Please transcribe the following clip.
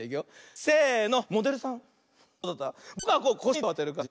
せの！